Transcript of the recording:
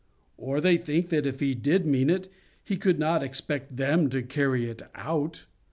Or they think that if He did mean it, He could not expect them to carry it out.